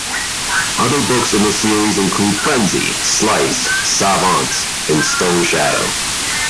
Other books in the series include "Frenzy", "Slice", "Savant", and "Stone Shadow".